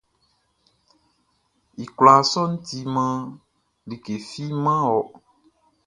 I kwlaa sɔʼn timan like fi man wɔ.